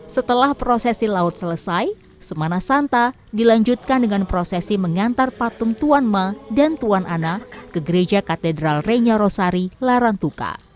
setelah prosesi laut selesai semana santa dilanjutkan dengan prosesi mengantar patung tuan ma dan tuan ana ke gereja katedral renya rosari larantuka